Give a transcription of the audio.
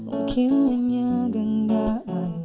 mungkin hanya genggaman